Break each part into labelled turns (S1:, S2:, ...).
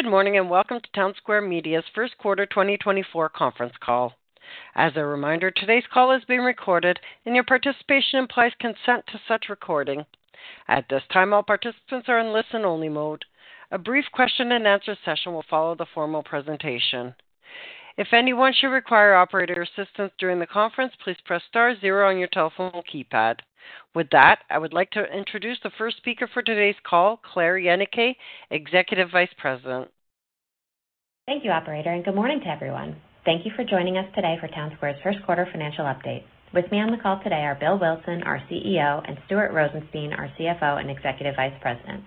S1: Good morning, and welcome to Townsquare Media's first quarter 2024 conference call. As a reminder, today's call is being recorded, and your participation implies consent to such recording. At this time, all participants are in listen-only mode. A brief question and answer session will follow the formal presentation. If anyone should require operator assistance during the conference, please press star zero on your telephone keypad. With that, I would like to introduce the first speaker for today's call, Claire Yenicay, Executive Vice President.
S2: Thank you, operator, and good morning to everyone. Thank you for joining us today for Townsquare's first quarter financial update. With me on the call today are Bill Wilson, our CEO, and Stuart Rosenstein, our CFO and Executive Vice President.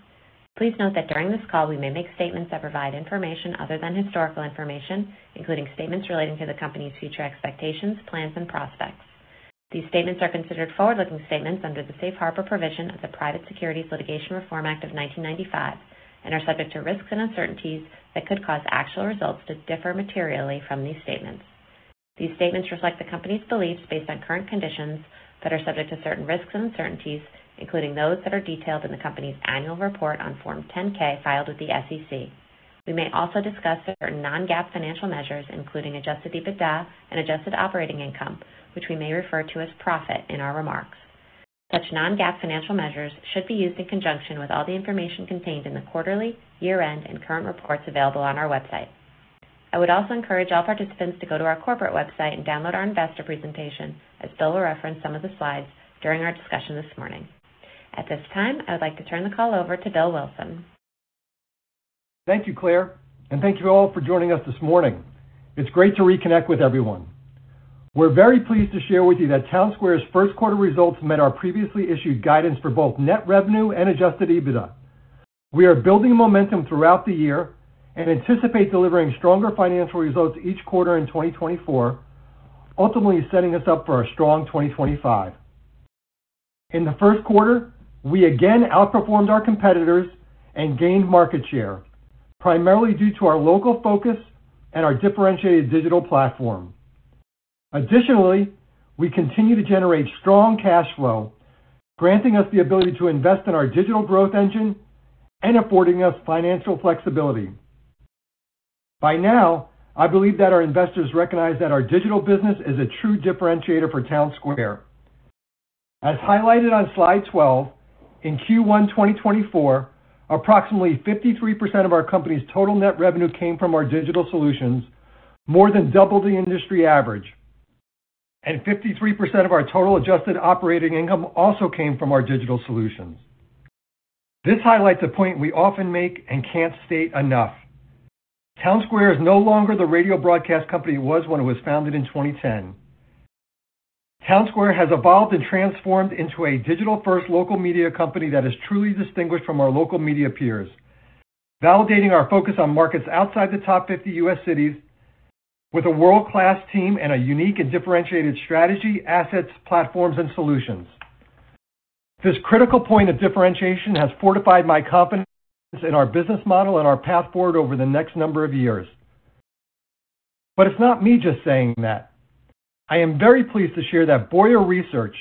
S2: Please note that during this call, we may make statements that provide information other than historical information, including statements relating to the company's future expectations, plans, and prospects. These statements are considered forward-looking statements under the Safe Harbor provision of the Private Securities Litigation Reform Act of 1995 and are subject to risks and uncertainties that could cause actual results to differ materially from these statements. These statements reflect the company's beliefs based on current conditions that are subject to certain risks and uncertainties, including those that are detailed in the company's annual report on Form 10-K, filed with the SEC. We may also discuss certain non-GAAP financial measures, including Adjusted EBITDA and Adjusted Operating Income, which we may refer to as profit in our remarks. Such non-GAAP financial measures should be used in conjunction with all the information contained in the quarterly, year-end, and current reports available on our website. I would also encourage all participants to go to our corporate website and download our investor presentation, as Bill will reference some of the slides during our discussion this morning. At this time, I would like to turn the call over to Bill Wilson.
S3: Thank you, Claire, and thank you all for joining us this morning. It's great to reconnect with everyone. We're very pleased to share with you that Townsquare's first quarter results met our previously issued guidance for both net revenue and Adjusted EBITDA. We are building momentum throughout the year and anticipate delivering stronger financial results each quarter in 2024, ultimately setting us up for a strong 2025. In the first quarter, we again outperformed our competitors and gained market share, primarily due to our local focus and our differentiated digital platform. Additionally, we continue to generate strong cash flow, granting us the ability to invest in our digital growth engine and affording us financial flexibility. By now, I believe that our investors recognize that our digital business is a true differentiator for Townsquare. As highlighted on slide 12, in Q1 2024, approximately 53% of our company's total net revenue came from our digital solutions, more than double the industry average, and 53% of our total Adjusted Operating Income also came from our digital solutions. This highlights a point we often make and can't state enough. Townsquare is no longer the radio broadcast company it was when it was founded in 2010. Townsquare has evolved and transformed into a digital-first local media company that is truly distinguished from our local media peers, validating our focus on markets outside the top 50 U.S. cities with a world-class team and a unique and differentiated strategy, assets, platforms, and solutions. This critical point of differentiation has fortified my confidence in our business model and our path forward over the next number of years. But it's not me just saying that. I am very pleased to share that Boyar Research,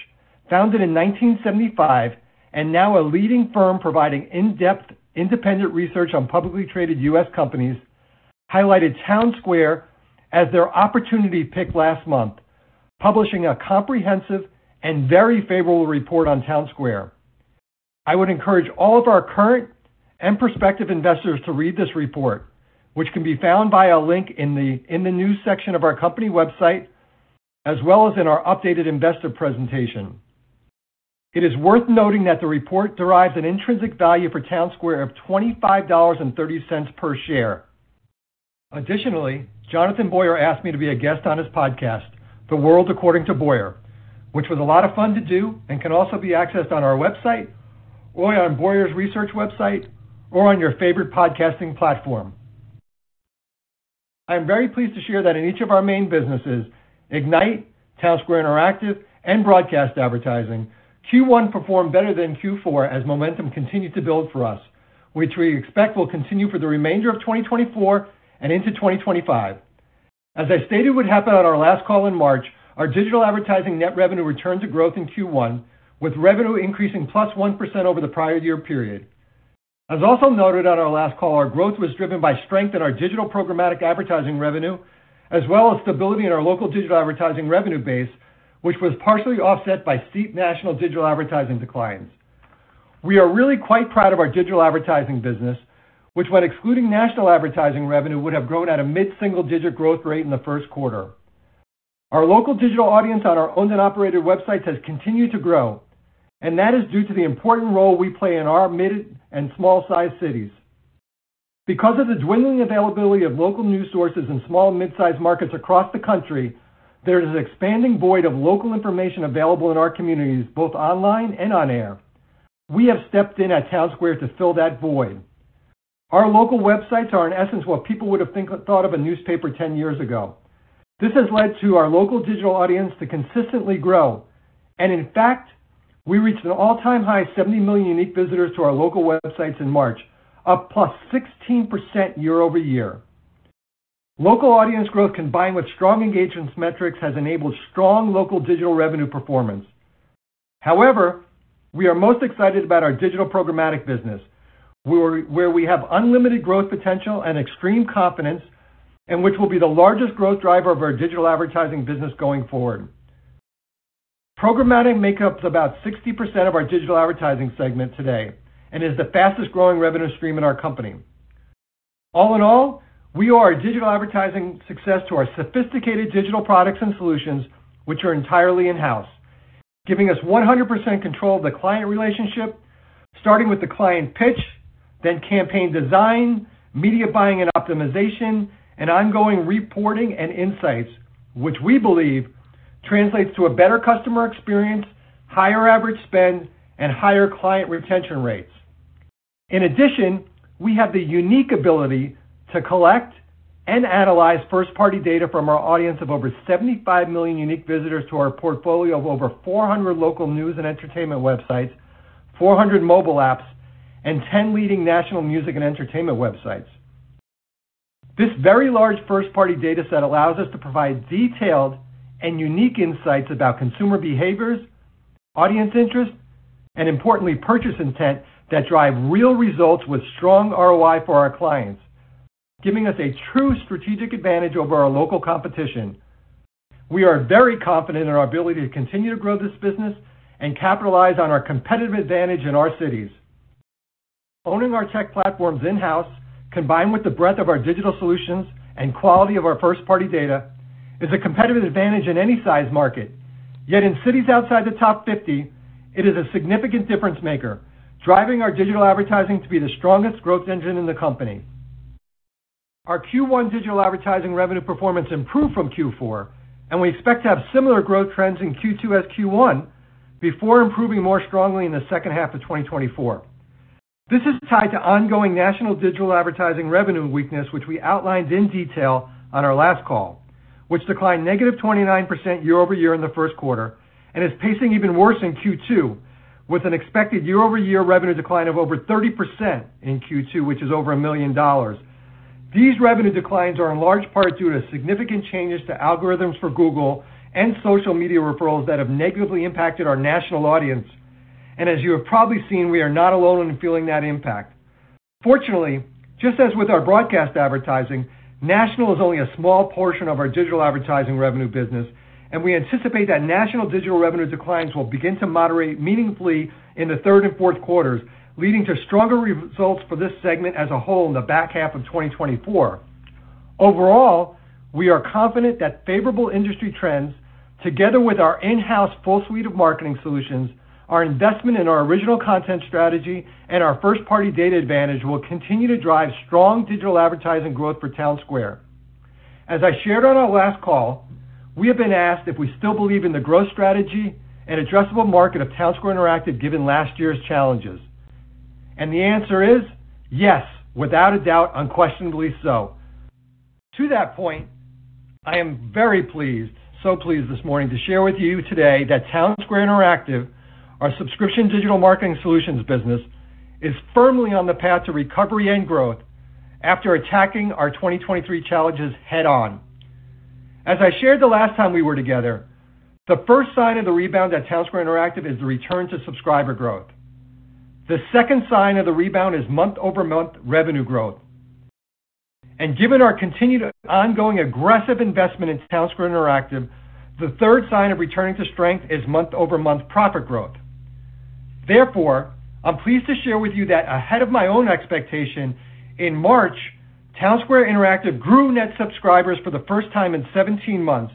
S3: founded in 1975 and now a leading firm providing in-depth, independent research on publicly traded U.S. companies, highlighted Townsquare as their opportunity pick last month, publishing a comprehensive and very favorable report on Townsquare. I would encourage all of our current and prospective investors to read this report, which can be found via a link in the In the News section of our company website, as well as in our updated investor presentation. It is worth noting that the report derives an intrinsic value for Townsquare of $25.30 per share. Additionally, Jonathan Boyar asked me to be a guest on his podcast, The World According to Boyar, which was a lot of fun to do and can also be accessed on our website or on Boyar Research website or on your favorite podcasting platform. I am very pleased to share that in each of our main businesses, Ignite, Townsquare Interactive, and Broadcast Advertising, Q1 performed better than Q4 as momentum continued to build for us, which we expect will continue for the remainder of 2024 and into 2025. As I stated would happen on our last call in March, our digital advertising net revenue returned to growth in Q1, with revenue increasing +1% over the prior year period. As also noted on our last call, our growth was driven by strength in our digital programmatic advertising revenue, as well as stability in our local digital advertising revenue base, which was partially offset by steep national digital advertising declines. We are really quite proud of our digital advertising business, which, when excluding national advertising revenue, would have grown at a mid-single-digit growth rate in the first quarter. Our local digital audience on our owned and operated websites has continued to grow, and that is due to the important role we play in our mid and small-sized cities. Because of the dwindling availability of local news sources in small and mid-sized markets across the country, there is an expanding void of local information available in our communities, both online and on air. We have stepped in at Townsquare to fill that void. Our local websites are, in essence, what people would have thought of a newspaper 10 years ago. This has led to our local digital audience to consistently grow, and in fact, we reached an all-time high of 70 million unique visitors to our local websites in March, up +16% year-over-year. Local audience growth, combined with strong engagements metrics, has enabled strong local digital revenue performance. However, we are most excited about our digital programmatic business, where we have unlimited growth potential and extreme confidence, and which will be the largest growth driver of our digital advertising business going forward. Programmatic makes up about 60% of our digital advertising segment today, and is the fastest-growing revenue stream in our company. All in all, we owe our digital advertising success to our sophisticated digital products and solutions, which are entirely in-house, giving us 100% control of the client relationship, starting with the client pitch, then campaign design, media buying and optimization, and ongoing reporting and insights, which we believe translates to a better customer experience, higher average spend, and higher client retention rates. In addition, we have the unique ability to collect and analyze first-party data from our audience of over 75 million unique visitors to our portfolio of over 400 local news and entertainment websites, 400 mobile apps, and 10 leading national music and entertainment websites. This very large first-party data set allows us to provide detailed and unique insights about consumer behaviors, audience interest, and importantly, purchase intent, that drive real results with strong ROI for our clients, giving us a true strategic advantage over our local competition. We are very confident in our ability to continue to grow this business and capitalize on our competitive advantage in our cities. Owning our tech platforms in-house, combined with the breadth of our digital solutions and quality of our first-party data, is a competitive advantage in any size market. Yet in cities outside the top 50, it is a significant difference-maker, driving our digital advertising to be the strongest growth engine in the company. Our Q1 digital advertising revenue performance improved from Q4, and we expect to have similar growth trends in Q2 as Q1, before improving more strongly in the second half of 2024. This is tied to ongoing national digital advertising revenue weakness, which we outlined in detail on our last call, which declined -29% year-over-year in the first quarter, and is pacing even worse in Q2, with an expected year-over-year revenue decline of over 30% in Q2, which is over $1 million. These revenue declines are in large part due to significant changes to algorithms for Google and social media referrals that have negatively impacted our national audience. As you have probably seen, we are not alone in feeling that impact. Fortunately, just as with our broadcast advertising, national is only a small portion of our digital advertising revenue business, and we anticipate that national digital revenue declines will begin to moderate meaningfully in the third and fourth quarters, leading to stronger results for this segment as a whole in the back half of 2024. Overall, we are confident that favorable industry trends, together with our in-house full suite of marketing solutions, our investment in our original content strategy, and our first-party data advantage, will continue to drive strong digital advertising growth for Townsquare. As I shared on our last call, we have been asked if we still believe in the growth strategy and addressable market of Townsquare Interactive, given last year's challenges. The answer is yes, without a doubt, unquestionably so. To that point, I am very pleased, so pleased this morning to share with you today that Townsquare Interactive, our subscription digital marketing solutions business, is firmly on the path to recovery and growth after attacking our 2023 challenges head-on. As I shared the last time we were together, the first sign of the rebound at Townsquare Interactive is the return to subscriber growth. The second sign of the rebound is month-over-month revenue growth. Given our continued ongoing aggressive investment in Townsquare Interactive, the third sign of returning to strength is month-over-month profit growth. Therefore, I'm pleased to share with you that ahead of my own expectation, in March, Townsquare Interactive grew net subscribers for the first time in 17 months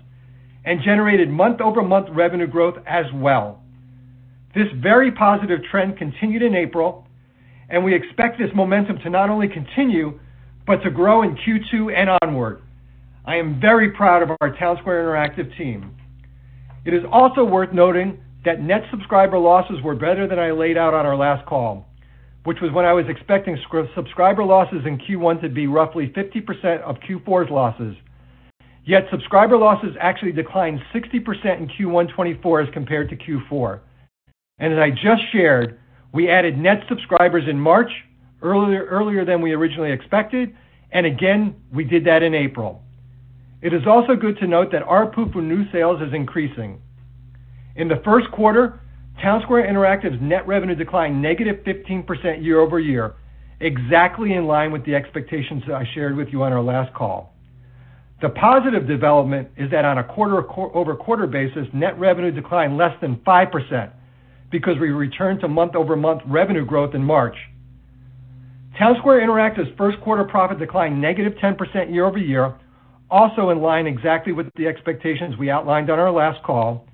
S3: and generated month-over-month revenue growth as well. This very positive trend continued in April, and we expect this momentum to not only continue, but to grow in Q2 and onward. I am very proud of our Townsquare Interactive team. It is also worth noting that net subscriber losses were better than I laid out on our last call, which was when I was expecting subscriber losses in Q1 to be roughly 50% of Q4's losses. Yet subscriber losses actually declined 60% in Q1 2024 as compared to Q4. And as I just shared, we added net subscribers in March, earlier than we originally expected, and again, we did that in April. It is also good to note that our pool for new sales is increasing. In the first quarter, Townsquare Interactive's net revenue declined -15% year-over-year, exactly in line with the expectations that I shared with you on our last call. The positive development is that on a quarter-over-quarter basis, net revenue declined less than 5% because we returned to month-over-month revenue growth in March. Townsquare Interactive's first quarter profit declined -10% year-over-year, also in line exactly with the expectations we outlined on our last call,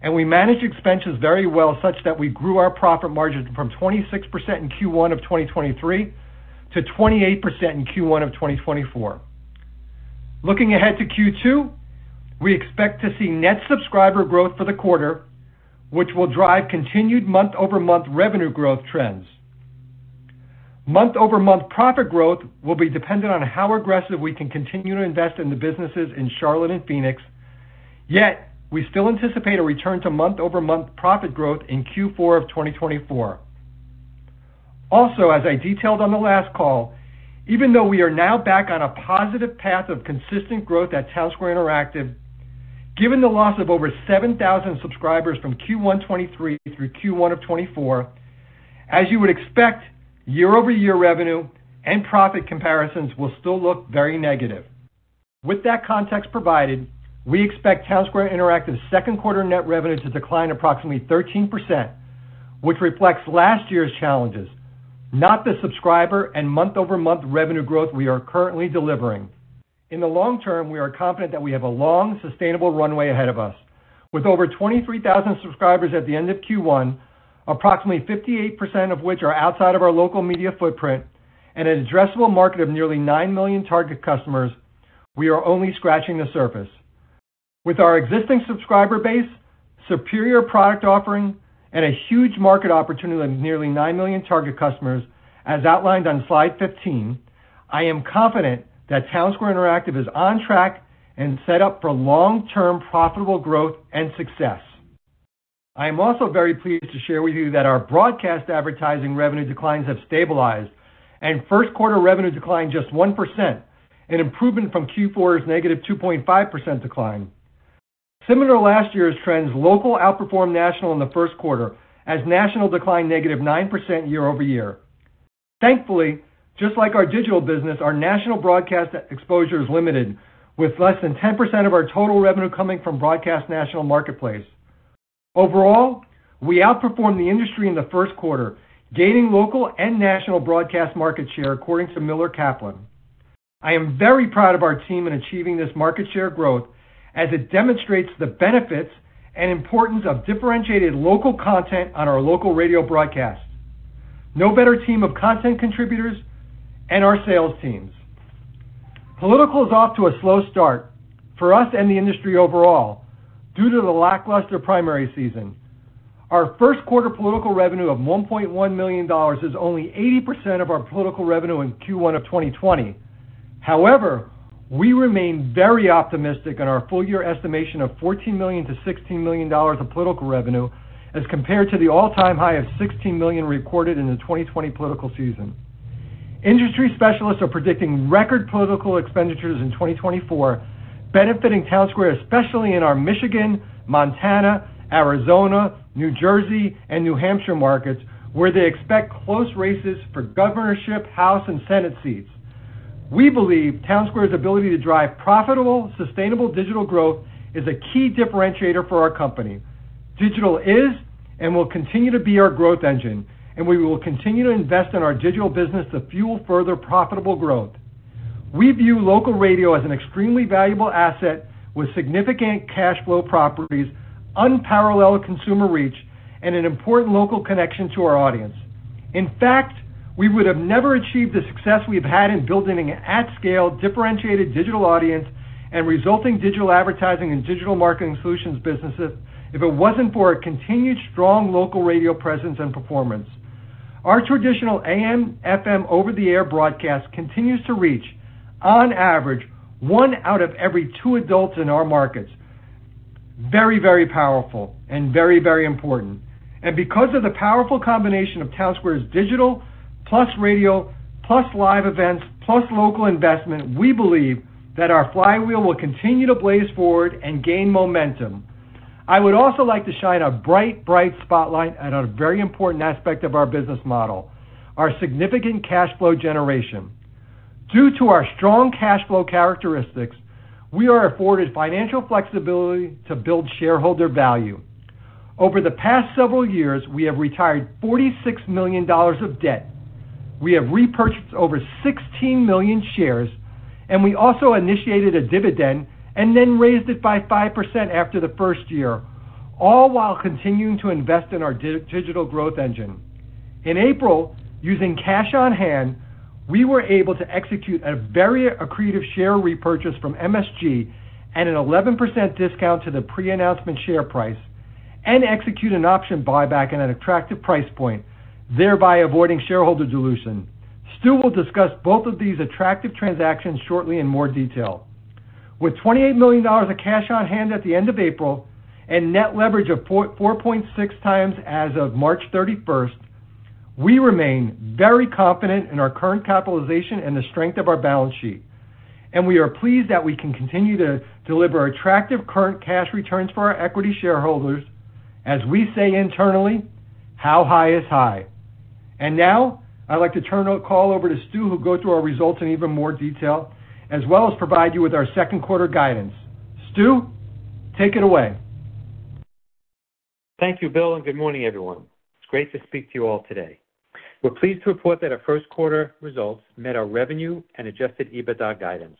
S3: and we managed expenses very well such that we grew our profit margins from 26% in Q1 of 2023 to 28% in Q1 of 2024. Looking ahead to Q2, we expect to see net subscriber growth for the quarter, which will drive continued month-over-month revenue growth trends. Month-over-month profit growth will be dependent on how aggressive we can continue to invest in the businesses in Charlotte and Phoenix, yet we still anticipate a return to month-over-month profit growth in Q4 of 2024. Also, as I detailed on the last call, even though we are now back on a positive path of consistent growth at Townsquare Interactive, given the loss of over 7,000 subscribers from Q1 2023 through Q1 of 2024, as you would expect, year-over-year revenue and profit comparisons will still look very negative. With that context provided, we expect Townsquare Interactive's second quarter net revenue to decline approximately 13%, which reflects last year's challenges, not the subscriber and month-over-month revenue growth we are currently delivering. In the long term, we are confident that we have a long, sustainable runway ahead of us. With over 23,000 subscribers at the end of Q1, approximately 58% of which are outside of our local media footprint, and an addressable market of nearly 9 million target customers, we are only scratching the surface. With our existing subscriber base, superior product offering, and a huge market opportunity of nearly 9 million target customers, as outlined on slide 15, I am confident that Townsquare Interactive is on track and set up for long-term profitable growth and success. I am also very pleased to share with you that our broadcast advertising revenue declines have stabilized, and first quarter revenue declined just 1%, an improvement from Q4's -2.5% decline. Similar to last year's trends, local outperformed national in the first quarter, as national declined -9% year-over-year. Thankfully, just like our digital business, our national broadcast exposure is limited, with less than 10% of our total revenue coming from broadcast national marketplace. Overall, we outperformed the industry in the first quarter, gaining local and national broadcast market share, according to Miller Kaplan. I am very proud of our team in achieving this market share growth, as it demonstrates the benefits and importance of differentiated local content on our local radio broadcast. No better team of content contributors and our sales teams. Political is off to a slow start for us and the industry overall due to the lackluster primary season. Our first quarter political revenue of $1.1 million is only 80% of our political revenue in Q1 of 2020. However, we remain very optimistic in our full year estimation of $14 million-$16 million of political revenue as compared to the all-time high of $16 million recorded in the 2020 political season. Industry specialists are predicting record political expenditures in 2024, benefiting Townsquare, especially in our Michigan, Montana, Arizona, New Jersey, and New Hampshire markets, where they expect close races for governorship, House, and Senate seats. We believe Townsquare's ability to drive profitable, sustainable digital growth is a key differentiator for our company. Digital is and will continue to be our growth engine, and we will continue to invest in our digital business to fuel further profitable growth. We view local radio as an extremely valuable asset with significant cash flow properties, unparalleled consumer reach, and an important local connection to our audience. In fact, we would have never achieved the success we've had in building an at-scale, differentiated digital audience and resulting digital advertising and digital marketing solutions businesses if it wasn't for our continued strong local radio presence and performance. Our traditional AM/FM over-the-air broadcast continues to reach, on average, one out of every two adults in our markets. Very, very powerful and very, very important. And because of the powerful combination of Townsquare's digital, plus radio, plus live events, plus local investment, we believe that our flywheel will continue to blaze forward and gain momentum. I would also like to shine a bright, bright spotlight on a very important aspect of our business model, our significant cash flow generation. Due to our strong cash flow characteristics, we are afforded financial flexibility to build shareholder value. Over the past several years, we have retired $46 million of debt, we have repurchased over 16 million shares, and we also initiated a dividend and then raised it by 5% after the first year, all while continuing to invest in our digital growth engine. In April, using cash on hand, we were able to execute a very accretive share repurchase from MSG at an 11% discount to the pre-announcement share price and execute an option buyback at an attractive price point, thereby avoiding shareholder dilution. Stu will discuss both of these attractive transactions shortly in more detail. With $28 million of cash on hand at the end of April and net leverage of 4.4x as of March 31, we remain very confident in our current capitalization and the strength of our balance sheet, and we are pleased that we can continue to deliver attractive current cash returns for our equity shareholders, as we say internally, how high is high? Now, I'd like to turn the call over to Stu, who'll go through our results in even more detail, as well as provide you with our second quarter guidance. Stu, take it away.
S4: Thank you, Bill, and good morning, everyone. It's great to speak to you all today. We're pleased to report that our first quarter results met our revenue and Adjusted EBITDA guidance.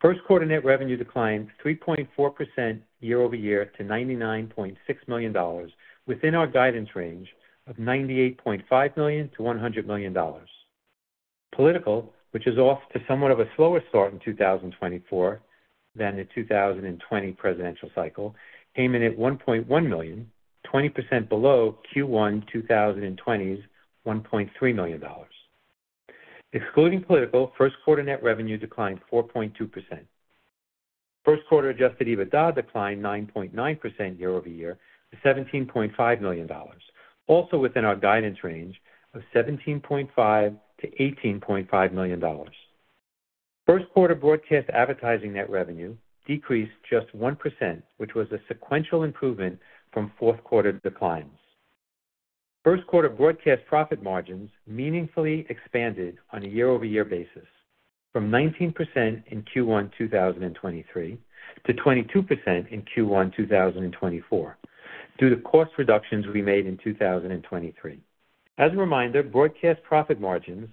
S4: First quarter net revenue declined 3.4% year-over-year to $99.6 million, within our guidance range of $98.5 million-$100 million. Political, which is off to somewhat of a slower start in 2024 than the 2020 presidential cycle, came in at $1.1 million, 20% below Q1 2020's $1.3 million.... Excluding political, first quarter net revenue declined 4.2%. First quarter Adjusted EBITDA declined 9.9% year-over-year to $17.5 million, also within our guidance range of $17.5 million-$18.5 million. First quarter broadcast advertising net revenue decreased just 1%, which was a sequential improvement from fourth quarter declines. First quarter broadcast profit margins meaningfully expanded on a year-over-year basis from 19% in Q1 2023 to 22% in Q1 2024, due to cost reductions we made in 2023. As a reminder, broadcast profit margins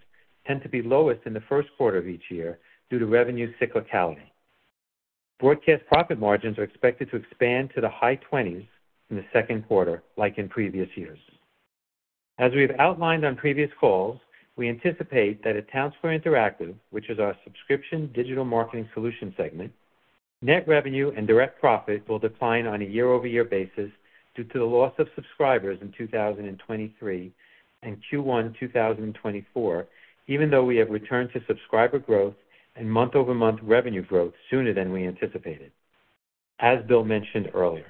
S4: tend to be lowest in the first quarter of each year due to revenue cyclicality. Broadcast profit margins are expected to expand to the high 20s% in the second quarter, like in previous years. As we've outlined on previous calls, we anticipate that at Townsquare Interactive, which is our subscription digital marketing solution segment, net revenue and direct profit will decline on a year-over-year basis due to the loss of subscribers in 2023 and Q1 2024, even though we have returned to subscriber growth and month-over-month revenue growth sooner than we anticipated, as Bill mentioned earlier.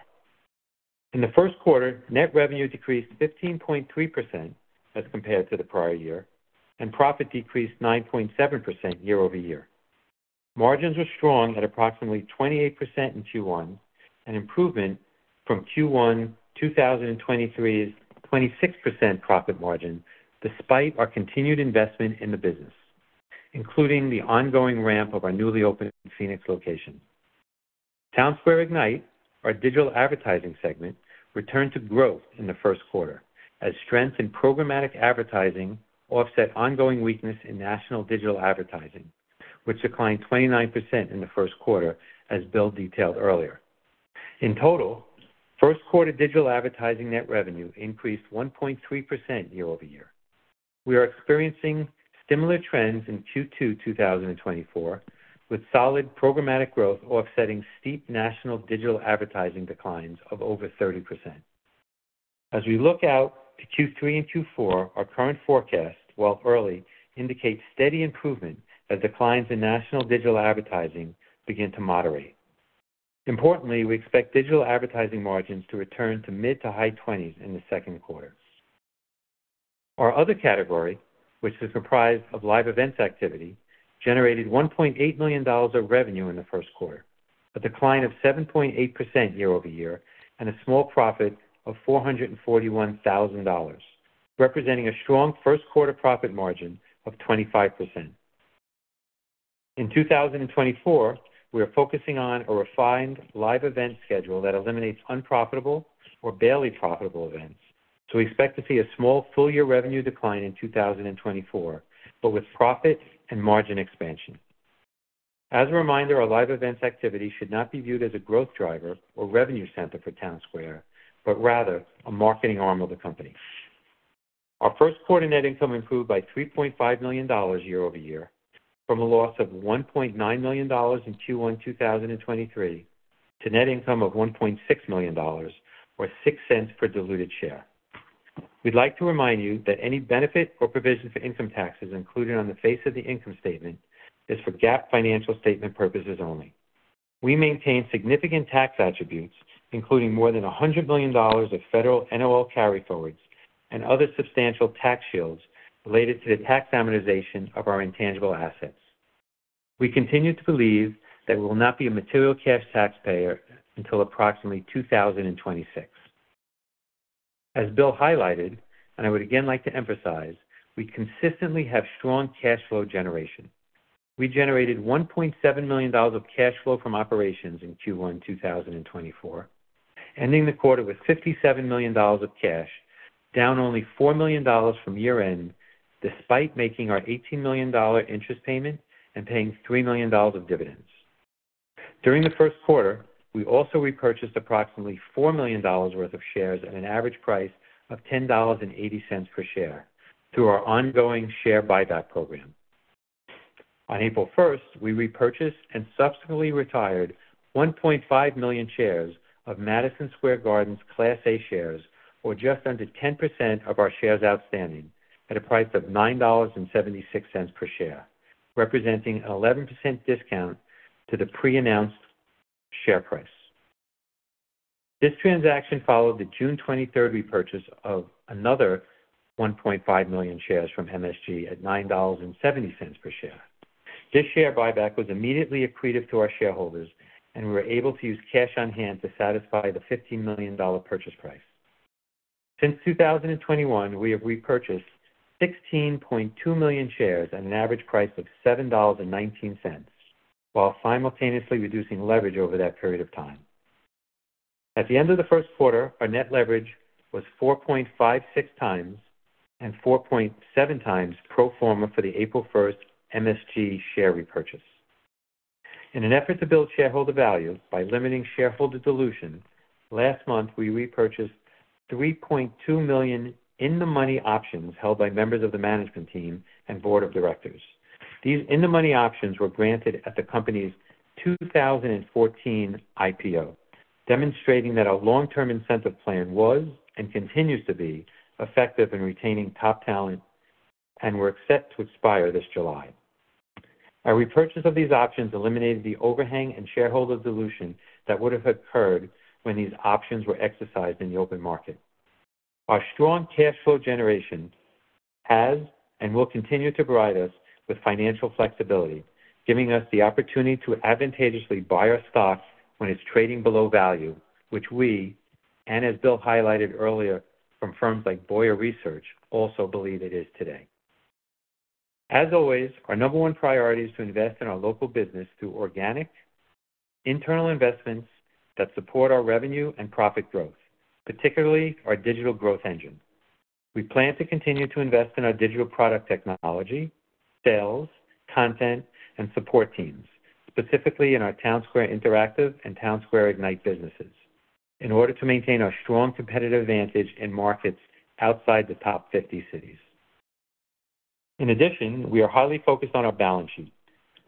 S4: In the first quarter, net revenue decreased 15.3% as compared to the prior year, and profit decreased 9.7% year-over-year. Margins were strong at approximately 28% in Q1, an improvement from Q1 2023's 26% profit margin, despite our continued investment in the business, including the ongoing ramp of our newly opened Phoenix location. Townsquare Ignite, our digital advertising segment, returned to growth in the first quarter as strengths in programmatic advertising offset ongoing weakness in national digital advertising, which declined 29% in the first quarter, as Bill detailed earlier. In total, first quarter digital advertising net revenue increased 1.3% year-over-year. We are experiencing similar trends in Q2 2024, with solid programmatic growth offsetting steep national digital advertising declines of over 30%. As we look out to Q3 and Q4, our current forecast, while early, indicates steady improvement as declines in national digital advertising begin to moderate. Importantly, we expect digital advertising margins to return to mid to high twenties in the second quarter. Our other category, which is comprised of live events activity, generated $1.8 million of revenue in the first quarter, a decline of 7.8% year-over-year, and a small profit of $441,000, representing a strong first quarter profit margin of 25%. In 2024, we are focusing on a refined live event schedule that eliminates unprofitable or barely profitable events, so we expect to see a small full year revenue decline in 2024, but with profit and margin expansion. As a reminder, our live events activity should not be viewed as a growth driver or revenue center for Townsquare, but rather a marketing arm of the company. Our first quarter net income improved by $3.5 million year-over-year, from a loss of $1.9 million in Q1 2023, to net income of $1.6 million, or $0.06 per diluted share. We'd like to remind you that any benefit or provision for income taxes included on the face of the income statement is for GAAP financial statement purposes only. We maintain significant tax attributes, including more than $100 million of federal NOL carryforwards and other substantial tax shields related to the tax amortization of our intangible assets. We continue to believe that we will not be a material cash taxpayer until approximately 2026. As Bill highlighted, and I would again like to emphasize, we consistently have strong cash flow generation. We generated $1.7 million of cash flow from operations in Q1 2024, ending the quarter with $57 million of cash, down only $4 million from year-end, despite making our $18 million interest payment and paying $3 million of dividends. During the first quarter, we also repurchased approximately $4 million worth of shares at an average price of $10.80 per share through our ongoing share buyback program. On April 1, we repurchased and subsequently retired 1.5 million shares of Madison Square Garden's Class A shares, or just under 10% of our shares outstanding at a price of $9.76 per share, representing an 11% discount to the pre-announced share price. This transaction followed the June 23rd repurchase of another 1.5 million shares from MSG at $9.70 per share. This share buyback was immediately accretive to our shareholders, and we were able to use cash on hand to satisfy the $15 million purchase price. Since 2021, we have repurchased 16.2 million shares at an average price of $7.19, while simultaneously reducing leverage over that period of time. At the end of the first quarter, our net leverage was 4.56x and 4.7x pro forma for the April 1 MSG share repurchase. In an effort to build shareholder value by limiting shareholder dilution, last month, we repurchased 3.2 million in-the-money options held by members of the management team and board of directors.... These in-the-money options were granted at the company's 2014 IPO, demonstrating that our long-term incentive plan was, and continues to be, effective in retaining top talent and were set to expire this July. Our repurchase of these options eliminated the overhang and shareholder dilution that would have occurred when these options were exercised in the open market. Our strong cash flow generation has and will continue to provide us with financial flexibility, giving us the opportunity to advantageously buy our stocks when it's trading below value, which we, and as Bill highlighted earlier from firms like Boyar Research, also believe it is today. As always, our number one priority is to invest in our local business through organic, internal investments that support our revenue and profit growth, particularly our digital growth engine. We plan to continue to invest in our digital product technology, sales, content, and support teams, specifically in our Townsquare Interactive and Townsquare Ignite businesses, in order to maintain our strong competitive advantage in markets outside the top 50 cities. In addition, we are highly focused on our balance sheet.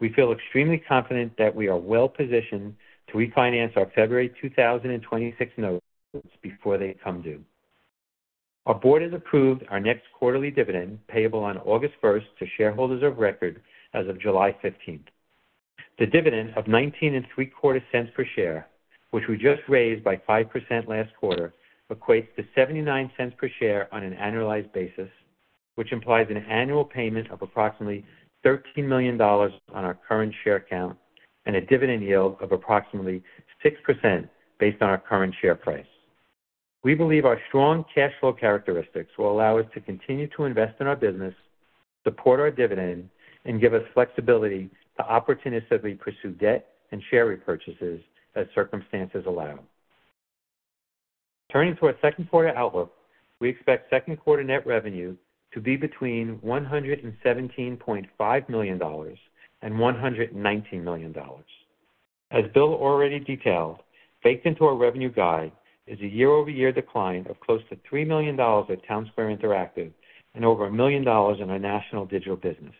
S4: We feel extremely confident that we are well positioned to refinance our February 2026 notes before they come due. Our board has approved our next quarterly dividend, payable on August first, to shareholders of record as of July fifteenth. The dividend of $0.1975 per share, which we just raised by 5% last quarter, equates to $0.79 per share on an annualized basis, which implies an annual payment of approximately $13 million on our current share count and a dividend yield of approximately 6% based on our current share price. We believe our strong cash flow characteristics will allow us to continue to invest in our business, support our dividend, and give us flexibility to opportunistically pursue debt and share repurchases as circumstances allow. Turning to our second quarter outlook, we expect second quarter net revenue to be between $117.5 million and $119 million. As Bill already detailed, baked into our revenue guide is a year-over-year decline of close to $3 million at Townsquare Interactive and over $1 million in our national digital business.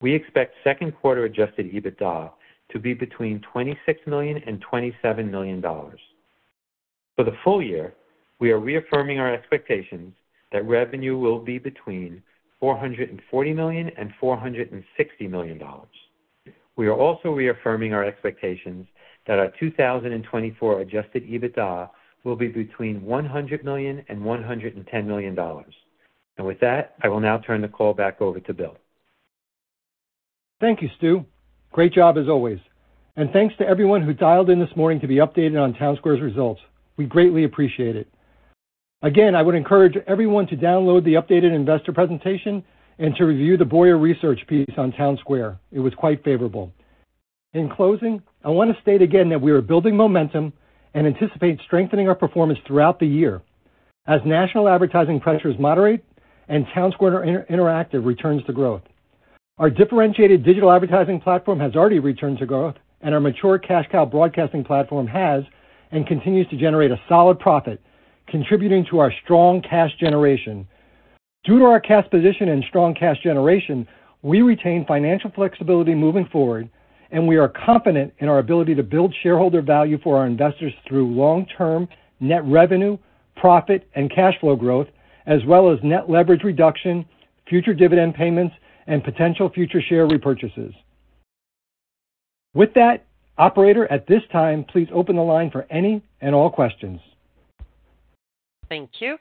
S4: We expect second quarter Adjusted EBITDA to be between $26 million and $27 million. For the full year, we are reaffirming our expectations that revenue will be between $440 million and $460 million. We are also reaffirming our expectations that our 2024 Adjusted EBITDA will be between $100 million and $110 million. With that, I will now turn the call back over to Bill.
S3: Thank you, Stu. Great job, as always, and thanks to everyone who dialed in this morning to be updated on Townsquare's results. We greatly appreciate it. Again, I would encourage everyone to download the updated investor presentation and to review the Boyar Research piece on Townsquare. It was quite favorable. In closing, I want to state again that we are building momentum and anticipate strengthening our performance throughout the year as national advertising pressures moderate and Townsquare Interactive returns to growth. Our differentiated digital advertising platform has already returned to growth, and our mature cash cow broadcasting platform has and continues to generate a solid profit, contributing to our strong cash generation. Due to our cash position and strong cash generation, we retain financial flexibility moving forward, and we are confident in our ability to build shareholder value for our investors through long-term net revenue, profit, and cash flow growth, as well as net leverage reduction, future dividend payments, and potential future share repurchases. With that, operator, at this time, please open the line for any and all questions.
S1: Thank you.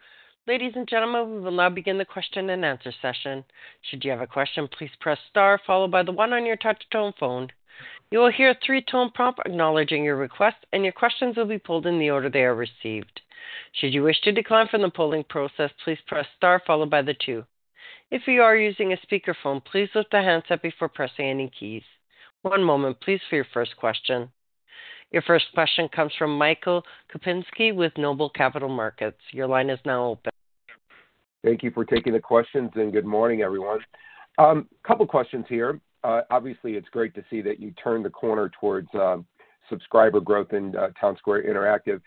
S1: Ladies and gentlemen, we will now begin the question-and-answer session. Should you have a question, please press star followed by the one on your touch-tone phone. You will hear a three-tone prompt acknowledging your request, and your questions will be pulled in the order they are received. Should you wish to decline from the polling process, please press star followed by the two. If you are using a speakerphone, please lift the handset before pressing any keys. One moment, please, for your first question. Your first question comes from Michael Kupinski with Noble Capital Markets. Your line is now open.
S5: Thank you for taking the questions, and good morning, everyone. Couple questions here. Obviously, it's great to see that you turned the corner towards subscriber growth in Townsquare Interactive.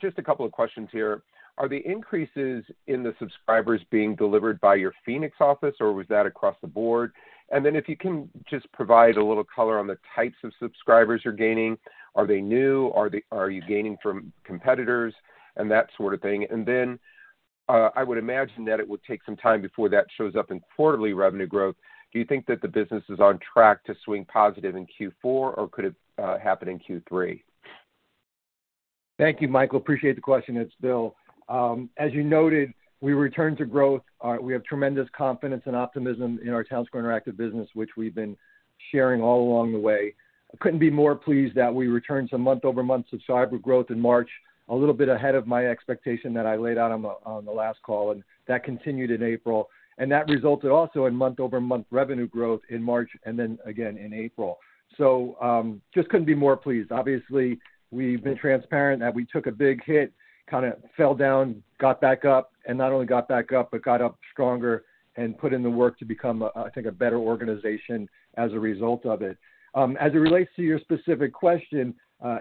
S5: Just a couple of questions here. Are the increases in the subscribers being delivered by your Phoenix office, or was that across the board? And then if you can just provide a little color on the types of subscribers you're gaining, are they new? Are they, are you gaining from competitors and that sort of thing. And then, I would imagine that it would take some time before that shows up in quarterly revenue growth. Do you think that the business is on track to swing positive in Q4, or could it happen in Q3?
S3: Thank you, Michael. Appreciate the question. It's Bill. As you noted, we returned to growth. We have tremendous confidence and optimism in our Townsquare Interactive business, which we've been sharing all along the way. I couldn't be more pleased that we returned some month-over-month subscriber growth in March, a little bit ahead of my expectation that I laid out on the, on the last call, and that continued in April. And that resulted also in month-over-month revenue growth in March and then again in April. So, just couldn't be more pleased. Obviously, we've been transparent that we took a big hit, kinda fell down, got back up, and not only got back up, but got up stronger and put in the work to become a, I think, a better organization as a result of it. As it relates to your specific question,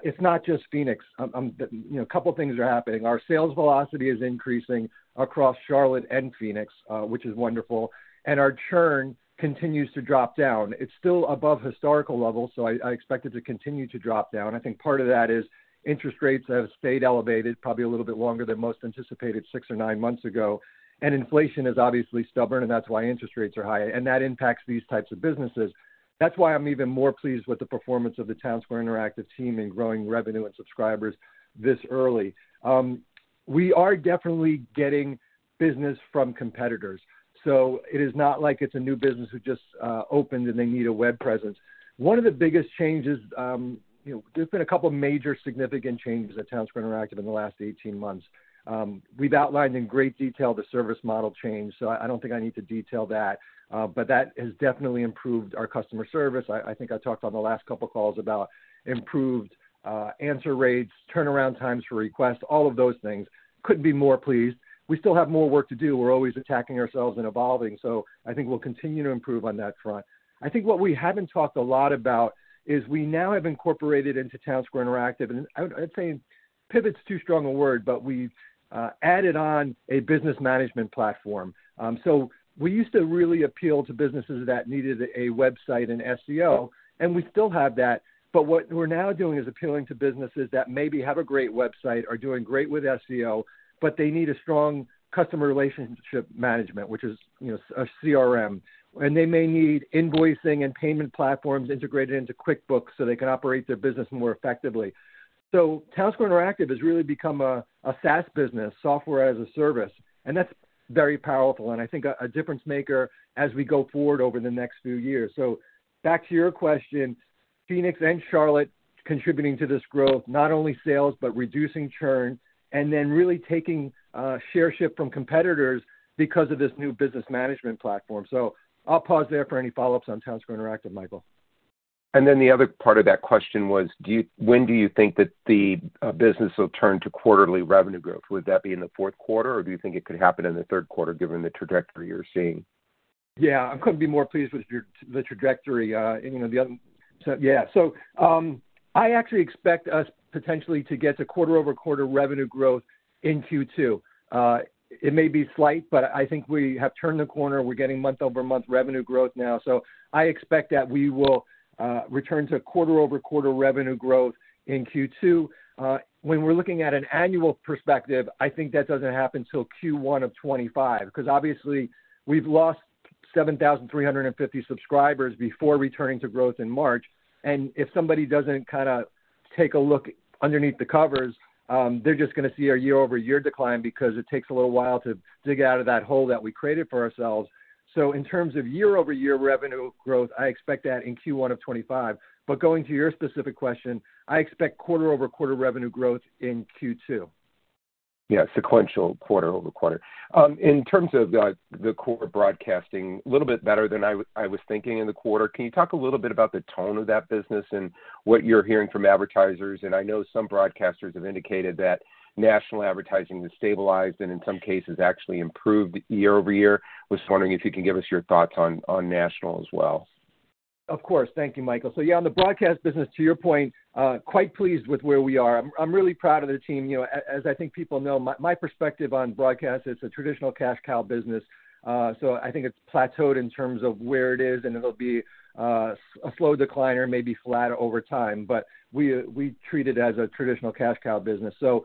S3: it's not just Phoenix. You know, a couple things are happening. Our sales velocity is increasing across Charlotte and Phoenix, which is wonderful, and our churn continues to drop down. It's still above historical levels, so I expect it to continue to drop down. I think part of that is interest rates have stayed elevated, probably a little bit longer than most anticipated six or nine months ago, and inflation is obviously stubborn, and that's why interest rates are high, and that impacts these types of businesses. That's why I'm even more pleased with the performance of the Townsquare Interactive team in growing revenue and subscribers this early. We are definitely getting business from competitors, so it is not like it's a new business who just opened, and they need a web presence. One of the biggest changes, you know, there's been a couple of major significant changes at Townsquare Interactive in the last 18 months. We've outlined in great detail the service model change, so I don't think I need to detail that, but that has definitely improved our customer service. I think I talked on the last couple of calls about improved answer rates, turnaround times for requests, all of those things. Couldn't be more pleased. We still have more work to do. We're always attacking ourselves and evolving, so I think we'll continue to improve on that front. I think what we haven't talked a lot about is we now have incorporated into Townsquare Interactive, and I'd say pivot's too strong a word, but we've added on a business management platform. So we used to really appeal to businesses that needed a website and SEO, and we still have that, but what we're now doing is appealing to businesses that maybe have a great website, are doing great with SEO, but they need a strong customer relationship management, which is, you know, a CRM. And they may need invoicing and payment platforms integrated into QuickBooks, so they can operate their business more effectively. So Townsquare Interactive has really become a SaaS business, software as a service, and that's very powerful, and I think a difference maker as we go forward over the next few years. So back to your question, Phoenix and Charlotte contributing to this growth, not only sales, but reducing churn, and then really taking share shift from competitors because of this new business management platform. I'll pause there for any follow-ups on Townsquare Interactive, Michael.
S5: And then the other part of that question was, when do you think that the business will turn to quarterly revenue growth? Would that be in the fourth quarter, or do you think it could happen in the third quarter, given the trajectory you're seeing?
S3: Yeah, I couldn't be more pleased with your, the trajectory, you know. So yeah. So, I actually expect us potentially to get to quarter-over-quarter revenue growth in Q2. It may be slight, but I think we have turned the corner. We're getting month-over-month revenue growth now, so I expect that we will return to quarter-over-quarter revenue growth in Q2. When we're looking at an annual perspective, I think that doesn't happen till Q1 of 2025, 'cause obviously, we've lost 7,350 subscribers before returning to growth in March. And if somebody doesn't kinda take a look underneath the covers, they're just gonna see our year-over-year decline because it takes a little while to dig out of that hole that we created for ourselves. So in terms of year-over-year revenue growth, I expect that in Q1 of 2025. But going to your specific question, I expect quarter-over-quarter revenue growth in Q2.
S5: Yeah, sequential quarter over quarter. In terms of the core broadcasting, a little bit better than I was thinking in the quarter. Can you talk a little bit about the tone of that business and what you're hearing from advertisers? And I know some broadcasters have indicated that national advertising has stabilized and, in some cases, actually improved year over year. Was wondering if you can give us your thoughts on national as well.
S3: Of course. Thank you, Michael. So yeah, on the broadcast business, to your point, quite pleased with where we are. I'm really proud of the team. You know, as I think people know, my perspective on broadcast, it's a traditional cash cow business. So I think it's plateaued in terms of where it is, and it'll be a slow decline or maybe flat over time, but we treat it as a traditional cash cow business. So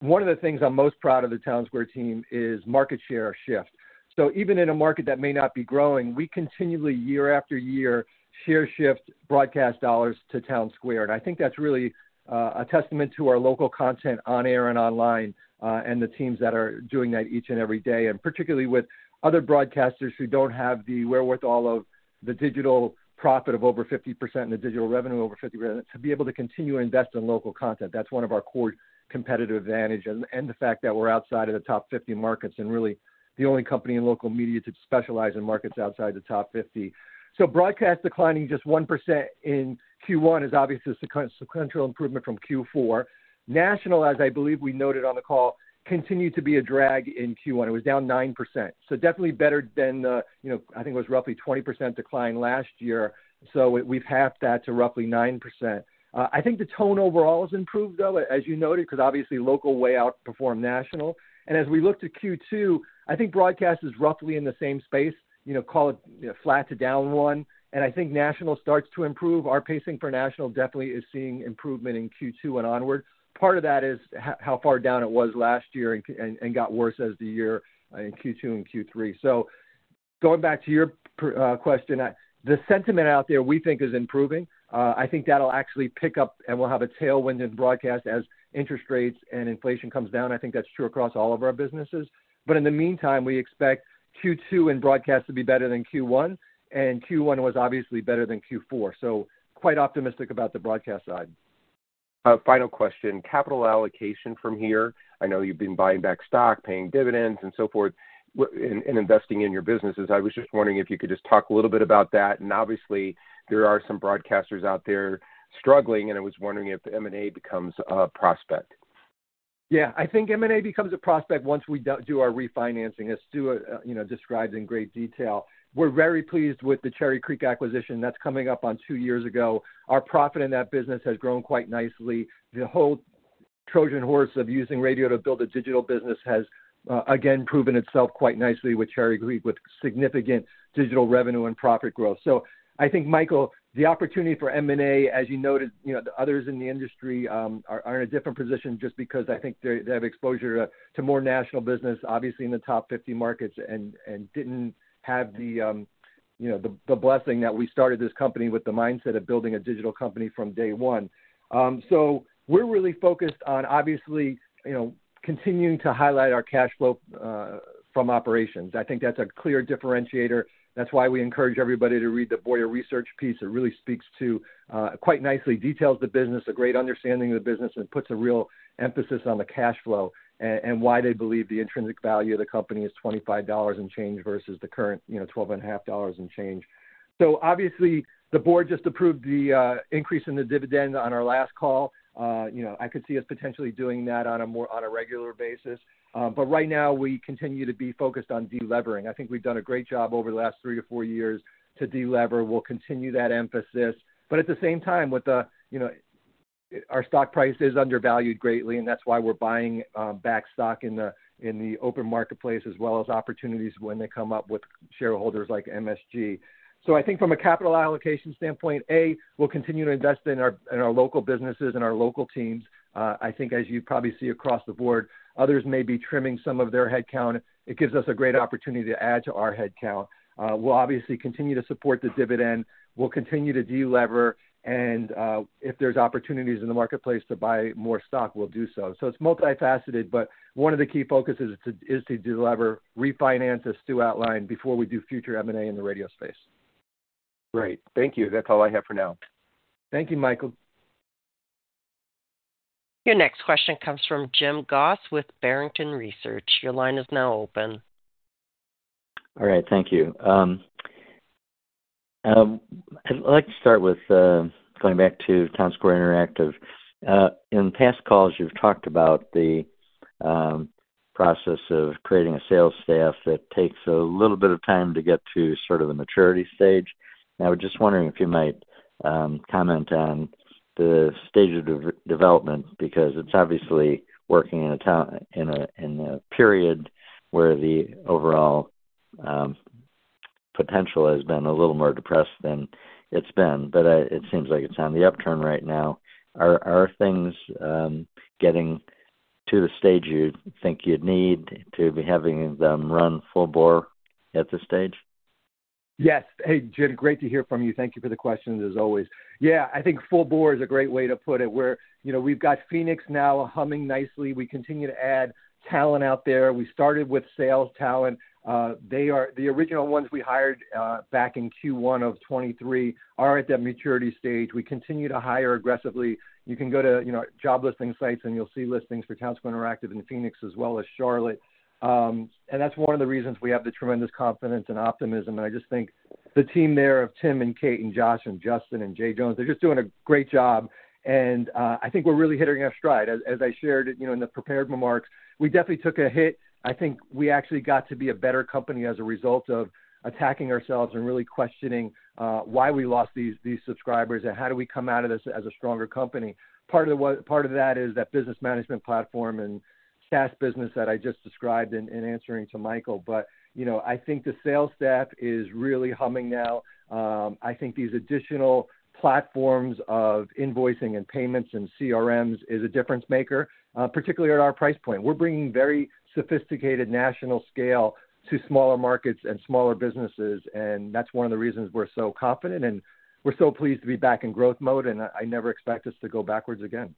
S3: one of the things I'm most proud of the Townsquare team is market share shift. So even in a market that may not be growing, we continually, year after year, share shift broadcast dollars to Townsquare, and I think that's really a testament to our local content on air and online, and the teams that are doing that each and every day, and particularly with other broadcasters who don't have the wherewithal of the digital profit of over 50% and the digital revenue over 50%, to be able to continue to invest in local content. That's one of our core competitive advantage, and the fact that we're outside of the top 50 markets and really the only company in local media to specialize in markets outside the top 50. So broadcast declining just 1% in Q1 is obviously a sequential improvement from Q4. National, as I believe we noted on the call, continued to be a drag in Q1. It was down 9%, so definitely better than the, you know, I think it was roughly 20% decline last year. So we've halved that to roughly 9%. I think the tone overall has improved, though, as you noted, 'cause obviously local way outperformed national. And as we look to Q2, I think broadcast is roughly in the same space, you know, call it, you know, flat to down 1%, and I think national starts to improve. Our pacing for national definitely is seeing improvement in Q2 and onwards. Part of that is how far down it was last year and got worse as the year in Q2 and Q3. So going back to your question, I... The sentiment out there, we think, is improving. I think that'll actually pick up, and we'll have a tailwind in broadcast as interest rates and inflation comes down. I think that's true across all of our businesses. But in the meantime, we expect Q2 in broadcast to be better than Q1, and Q1 was obviously better than Q4, so quite optimistic about the broadcast side.
S5: Final question, capital allocation from here. I know you've been buying back stock, paying dividends, and so forth, and investing in your businesses. I was just wondering if you could just talk a little bit about that. And obviously, there are some broadcasters out there struggling, and I was wondering if M&A becomes a prospect.
S3: Yeah. I think M&A becomes a prospect once we do our refinancing, as Stuart, you know, described in great detail. We're very pleased with the Cherry Creek acquisition. That's coming up on two years ago. Our profit in that business has grown quite nicely. The whole Trojan horse of using radio to build a digital business has, again, proven itself quite nicely with Cherry Creek, with significant digital revenue and profit growth. So I think, Michael, the opportunity for M&A, as you noted, you know, the others in the industry are in a different position just because I think they have exposure to more national business, obviously, in the top 50 markets, and didn't have the, you know, the blessing that we started this company with the mindset of building a digital company from day one. So we're really focused on, obviously, you know, continuing to highlight our cash flow from operations. I think that's a clear differentiator. That's why we encourage everybody to read the Boyar Research piece. It really speaks to quite nicely, details the business, a great understanding of the business, and puts a real emphasis on the cash flow, and why they believe the intrinsic value of the company is $25 and change versus the current, you know, $12.5 and change. So obviously, the board just approved the increase in the dividend on our last call. You know, I could see us potentially doing that on a more on a regular basis. But right now, we continue to be focused on delevering. I think we've done a great job over the last 3-4 years to delever. We'll continue that emphasis, but at the same time, with the, you know, our stock price is undervalued greatly, and that's why we're buying back stock in the open marketplace, as well as opportunities when they come up with shareholders like MSG. So I think from a capital allocation standpoint, A, we'll continue to invest in our local businesses and our local teams. I think as you probably see across the board, others may be trimming some of their headcount. It gives us a great opportunity to add to our headcount. We'll obviously continue to support the dividend. We'll continue to delever, and if there's opportunities in the marketplace to buy more stock, we'll do so. It's multifaceted, but one of the key focuses is to delever, refinance, as Stu outlined, before we do future M&A in the radio space.
S5: Great. Thank you. That's all I have for now.
S3: Thank you, Michael.
S1: Your next question comes from Jim Goss with Barrington Research. Your line is now open.
S6: All right, thank you. I'd like to start with going back to Townsquare Interactive. In past calls, you've talked about the process of creating a sales staff that takes a little bit of time to get to sort of a maturity stage. I was just wondering if you might comment on the stage of development, because it's obviously working in a time in a period where the overall potential has been a little more depressed than it's been, but it seems like it's on the upturn right now. Are things getting to the stage you'd think you'd need to be having them run full bore at this stage?
S3: Yes. Hey, Jim, great to hear from you. Thank you for the questions, as always. Yeah, I think full bore is a great way to put it, where, you know, we've got Phoenix now humming nicely. We continue to add talent out there. We started with sales talent. They are the original ones we hired, back in Q1 of 2023, are at that maturity stage. We continue to hire aggressively. You can go to, you know, job listing sites, and you'll see listings for Townsquare Interactive in Phoenix as well as Charlotte. And that's one of the reasons we have the tremendous confidence and optimism, and I just think the team there of Tim and Kate and Josh and Justin and Jay Jones, they're just doing a great job, and I think we're really hitting our stride. As I shared, you know, in the prepared remarks, we definitely took a hit. I think we actually got to be a better company as a result of attacking ourselves and really questioning why we lost these subscribers and how do we come out of this as a stronger company. Part of that is that business management platform and SaaS business that I just described in answering to Michael. But, you know, I think the sales staff is really humming now. I think these additional platforms of invoicing and payments and CRMs is a difference maker, particularly at our price point. We're bringing very sophisticated national scale to smaller markets and smaller businesses, and that's one of the reasons we're so confident, and we're so pleased to be back in growth mode, and I never expect us to go backwards again.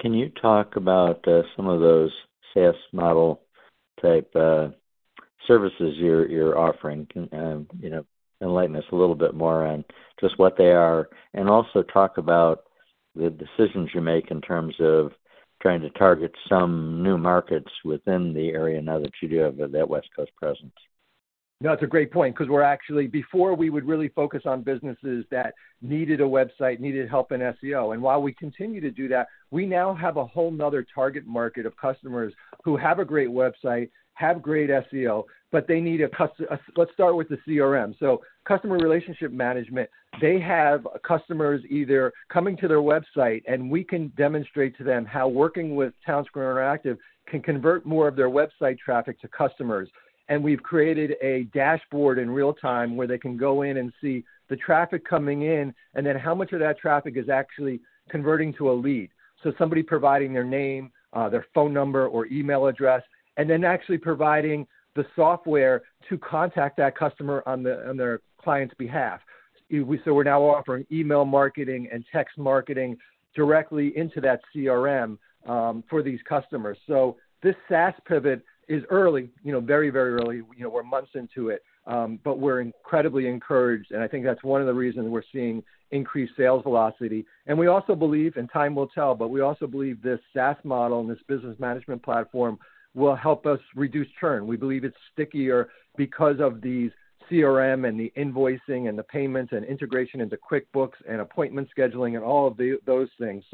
S6: Can you talk about some of those SaaS model type services you're offering? Can you know, enlighten us a little bit more on just what they are, and also talk about the decisions you make in terms of trying to target some new markets within the area now that you do have that West Coast presence?
S3: No, that's a great point, because we're actually, before we would really focus on businesses that needed a website, needed help in SEO, and while we continue to do that, we now have a whole other target market of customers who have a great website, have great SEO, but they need a cust... Let's start with the CRM. So Customer Relationship Management, they have customers either coming to their website, and we can demonstrate to them how working with Townsquare Interactive can convert more of their website traffic to customers. And we've created a dashboard in real time where they can go in and see the traffic coming in, and then how much of that traffic is actually converting to a lead. So somebody providing their name, their phone number or email address, and then actually providing the software to contact that customer on their client's behalf. So we're now offering email marketing and text marketing directly into that CRM for these customers. So this SaaS pivot is early, you know, very, very early. You know, we're months into it, but we're incredibly encouraged, and I think that's one of the reasons we're seeing increased sales velocity. And we also believe, and time will tell, but we also believe this SaaS model and this business management platform will help us reduce churn. We believe it's stickier because of these CRM and the invoicing and the payments and integration into QuickBooks and appointment scheduling and all of those things.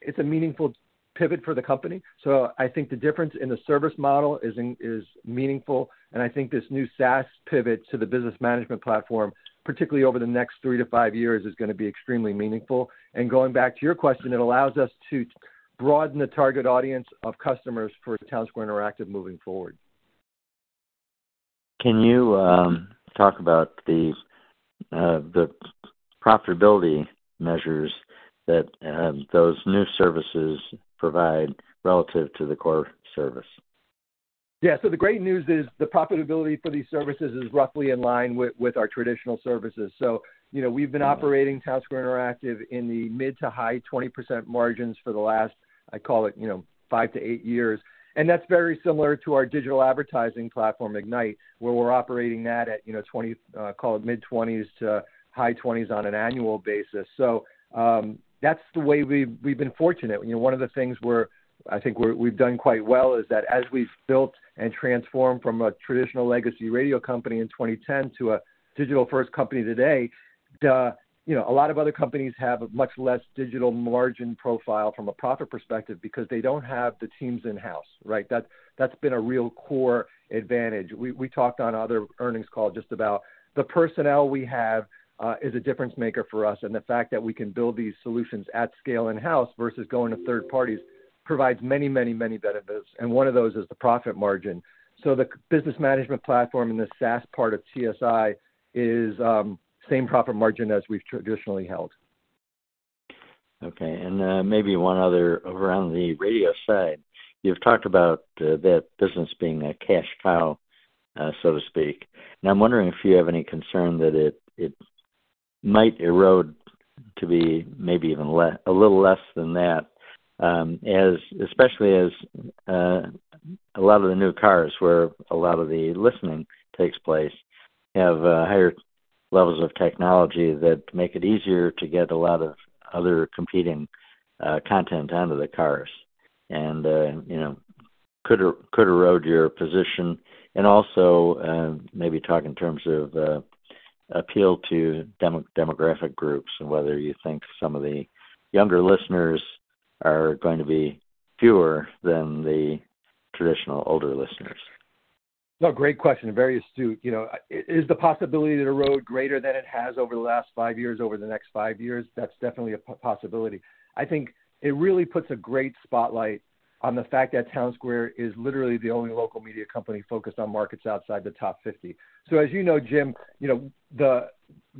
S3: It's a meaningful pivot for the company. So I think the difference in the service model is meaningful, and I think this new SaaS pivot to the business management platform, particularly over the next 3-5 years, is gonna be extremely meaningful. And going back to your question, it allows us to broaden the target audience of customers for Townsquare Interactive moving forward.
S6: Can you talk about the profitability measures that those new services provide relative to the core service?
S3: Yeah. So the great news is the profitability for these services is roughly in line with, with our traditional services. So, you know, we've been operating Townsquare Interactive in the mid- to high-20% margins for the last, I call it, you know, 5-8 years. And that's very similar to our digital advertising platform, Ignite, where we're operating that at, you know, 20, call it mid-20s to high 20s on an annual basis. So, that's the way we've, we've been fortunate. One of the things where I think we've done quite well is that as we've built and transformed from a traditional legacy radio company in 2010 to a digital-first company today, the, you know, a lot of other companies have a much less digital margin profile from a profit perspective because they don't have the teams in-house, right? That, that's been a real core advantage. We, we talked on other earnings call just about the personnel we have is a difference maker for us, and the fact that we can build these solutions at scale in-house versus going to third parties provides many, many, many benefits, and one of those is the profit margin. So the business management platform and the SaaS part of TSI is same profit margin as we've traditionally held.
S6: Okay. Maybe one other around the radio side. You've talked about that business being a cash cow, so to speak. Now, I'm wondering if you have any concern that it might erode to be maybe even a little less than that, as especially as a lot of the new cars where a lot of the listening takes place have higher levels of technology that make it easier to get a lot of other competing content out of the cars, and you know, could erode your position. And also, maybe talk in terms of appeal to demographic groups, and whether you think some of the younger listeners are going to be fewer than the traditional older listeners.
S3: No, great question, and very astute. You know, is the possibility to erode greater than it has over the last five years, over the next five years? That's definitely a possibility. I think it really puts a great spotlight on the fact that Townsquare is literally the only local media company focused on markets outside the top 50. So as you know, Jim, you know, the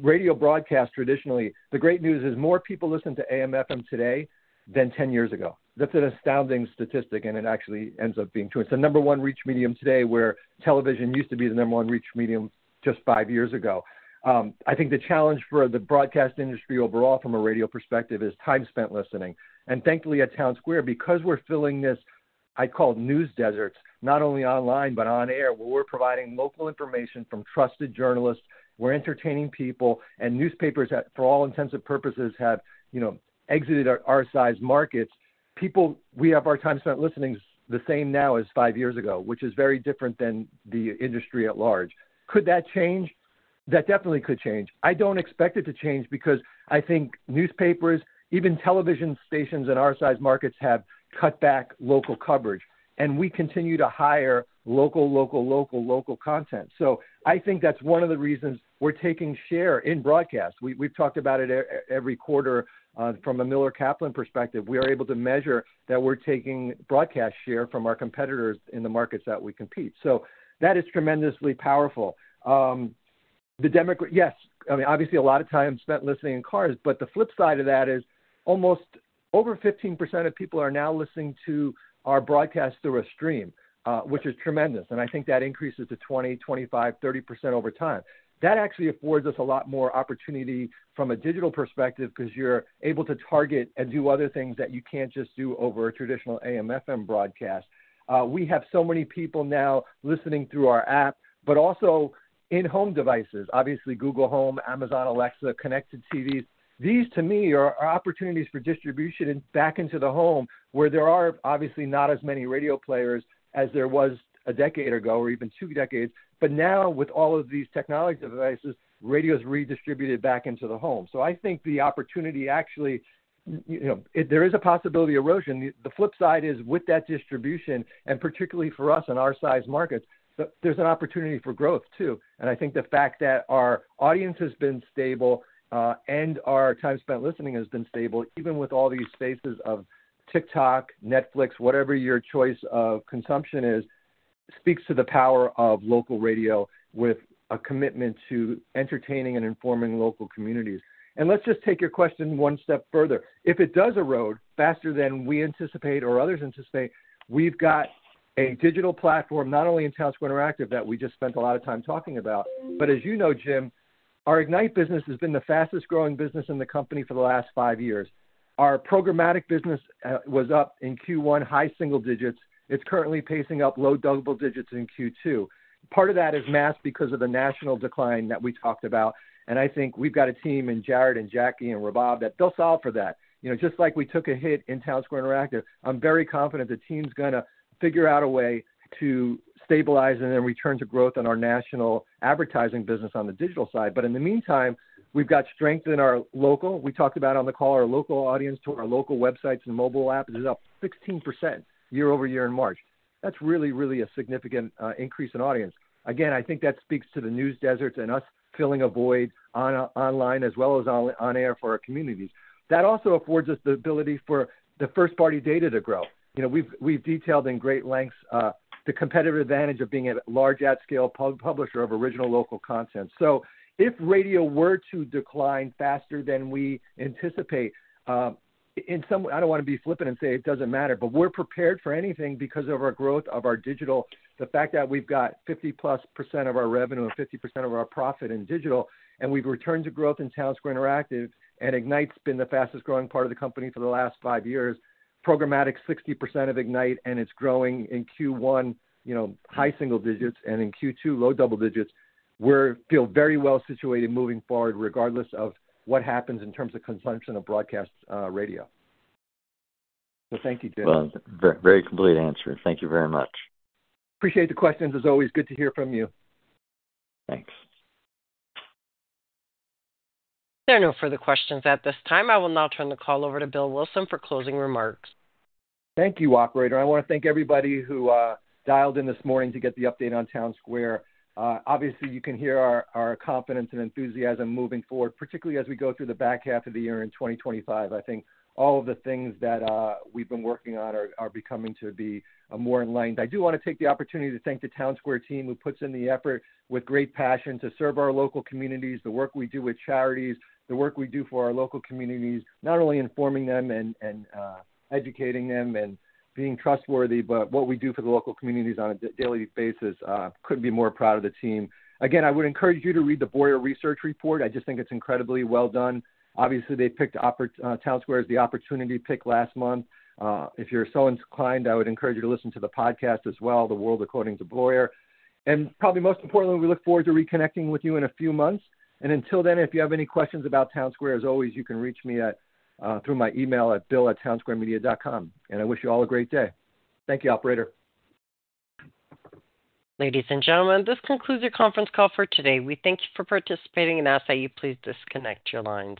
S3: radio broadcast, traditionally, the great news is more people listen to AM/FM today than 10 years ago. That's an astounding statistic, and it actually ends up being true. It's the number one reach medium today, where television used to be the number one reach medium just five years ago. I think the challenge for the broadcast industry overall, from a radio perspective, is time spent listening. And thankfully, at Townsquare, because we're filling this, I call it news deserts, not only online, but on air, where we're providing local information from trusted journalists, we're entertaining people, and newspapers, for all intents and purposes, have, you know, exited our size markets. People. We have our time spent listening the same now as five years ago, which is very different than the industry at large. Could that change? That definitely could change. I don't expect it to change because I think newspapers, even television stations in our size markets, have cut back local coverage, and we continue to hire local, local, local, local content. So I think that's one of the reasons we're taking share in broadcast. We, we've talked about it every quarter from a Miller Kaplan perspective. We are able to measure that we're taking broadcast share from our competitors in the markets that we compete. So that is tremendously powerful. Yes, I mean, obviously, a lot of time spent listening in cars, but the flip side of that is almost over 15% of people are now listening to our broadcast through a stream, which is tremendous, and I think that increases to 20, 25, 30% over time. That actually affords us a lot more opportunity from a digital perspective, because you're able to target and do other things that you can't just do over a traditional AM/FM broadcast. We have so many people now listening through our app, but also in-home devices. Obviously, Google Home, Amazon Alexa, connected TVs. These, to me, are opportunities for distribution back into the home, where there are obviously not as many radio players as there was a decade ago or even two decades. But now, with all of these technology devices, radio is redistributed back into the home. So I think the opportunity, actually, you know, if there is a possibility of erosion, the flip side is with that distribution, and particularly for us in our size markets, there's an opportunity for growth, too. And I think the fact that our audience has been stable, and our time spent listening has been stable, even with all these faces of TikTok, Netflix, whatever your choice of consumption is, speaks to the power of local radio with a commitment to entertaining and informing local communities. And let's just take your question one step further. If it does erode faster than we anticipate or others anticipate, we've got a digital platform, not only in Townsquare Interactive, that we just spent a lot of time talking about, but as you know, Jim, our Ignite business has been the fastest growing business in the company for the last five years. Our programmatic business was up in Q1, high single digits. It's currently pacing up low double digits in Q2. Part of that is masked because of the national decline that we talked about, and I think we've got a team in Jared and Jackie and Rabab that they'll solve for that. You know, just like we took a hit in Townsquare Interactive, I'm very confident the team's gonna figure out a way to stabilize and then return to growth on our national advertising business on the digital side. But in the meantime, we've got strength in our local. We talked about on the call, our local audience to our local websites and mobile app is up 16% year-over-year in March. That's really, really a significant increase in audience. Again, I think that speaks to the news deserts and us filling a void online as well as on air for our communities. That also affords us the ability for the first-party data to grow. You know, we've detailed in great lengths the competitive advantage of being a large at-scale publisher of original local content. So if radio were to decline faster than we anticipate, in some way, I don't wanna be flippant and say it doesn't matter, but we're prepared for anything because of our growth of our digital. The fact that we've got 50+% of our revenue and 50% of our profit in digital, and we've returned to growth in Townsquare Interactive, and Ignite's been the fastest growing part of the company for the last 5 years. Programmatic, 60% of Ignite, and it's growing in Q1, you know, high single digits, and in Q2, low double digits. We feel very well situated moving forward, regardless of what happens in terms of consumption of broadcast radio. So thank you, Jim. Well, very complete answer. Thank you very much. Appreciate the questions. As always, good to hear from you.
S6: Thanks.
S1: There are no further questions at this time. I will now turn the call over to Bill Wilson for closing remarks.
S3: Thank you, operator. I wanna thank everybody who dialed in this morning to get the update on Townsquare. Obviously, you can hear our confidence and enthusiasm moving forward, particularly as we go through the back half of the year in 2025. I think all of the things that we've been working on are becoming to be more in line. I do wanna take the opportunity to thank the Townsquare team, who puts in the effort with great passion to serve our local communities, the work we do with charities, the work we do for our local communities, not only informing them and educating them and being trustworthy, but what we do for the local communities on a daily basis. Couldn't be more proud of the team. Again, I would encourage you to read the Boyar Research Report. I just think it's incredibly well done. Obviously, they picked Townsquare as the opportunity pick last month. If you're so inclined, I would encourage you to listen to the podcast as well, The World According to Boyar. Probably most importantly, we look forward to reconnecting with you in a few months, and until then, if you have any questions about Townsquare, as always, you can reach me at, through my email at bill@townsquaremedia.com. I wish you all a great day. Thank you, operator.
S1: Ladies and gentlemen, this concludes your conference call for today. We thank you for participating and ask that you please disconnect your lines.